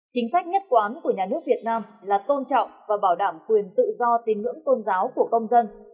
chính sách nhất quán của nhà nước việt nam là tôn trọng và bảo đảm quyền tự do tin ngưỡng tôn giáo của công dân